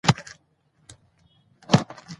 ازادي راډیو د سیاست په اړه د مجلو مقالو خلاصه کړې.